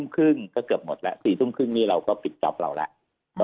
ก็เกือบหมดและ๔๓๐นี้เราก็ปิดจอบเราแล้ว